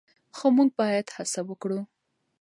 خو موږ باید هڅه وکړو.